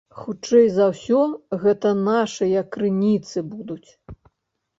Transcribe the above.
Хутчэй за ўсё гэта нашыя крыніцы будуць.